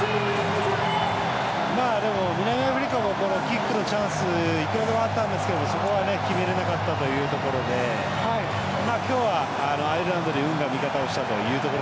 でも南アフリカもキックのチャンスいくらでもあったんですけどそこが決めれなかったというところで今日はアイルランドに運が味方をした